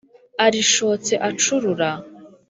arishotse acurura,